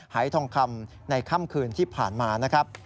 หายทองคำในค่ำคืนที่ผ่านมานะครับ